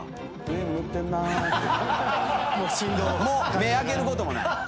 もう目開けることもない。